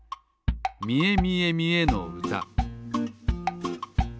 「みえみえみえの歌」